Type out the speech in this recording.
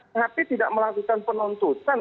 tapi tidak melakukan penuntutan